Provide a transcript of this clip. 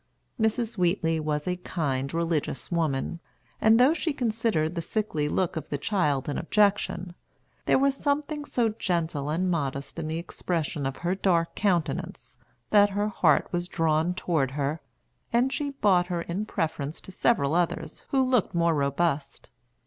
Mrs. Wheatley was a kind, religious woman; and though she considered the sickly look of the child an objection, there was something so gentle and modest in the expression of her dark countenance, that her heart was drawn toward her, and she bought her in preference to several others who looked more robust.